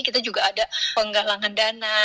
kita juga ada penggalangan dana